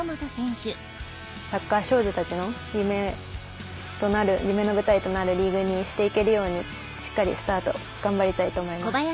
サッカー少女たちの夢の舞台となるリーグにして行けるようにしっかりスタート頑張りたいと思います。